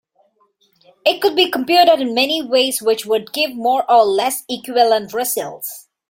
It could be computed in many ways which would give more or less equivalent results.